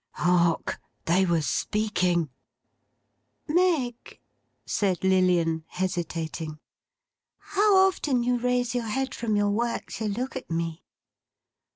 Hark. They were speaking! 'Meg,' said Lilian, hesitating. 'How often you raise your head from your work to look at me!